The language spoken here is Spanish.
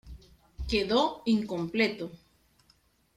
Quedó incompleto.